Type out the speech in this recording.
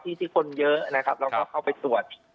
ที่คนเยอะนะครับเราเข้าไปตรวจ